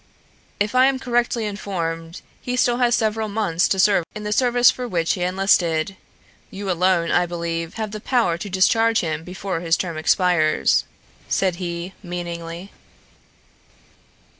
"If I am correctly informed he still has several months to serve in the service for which he enlisted. You alone, I believe, have the power to discharge him before his term expires," said he meaningly.